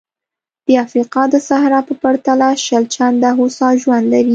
د افریقا د صحرا په پرتله شل چنده هوسا ژوند لري.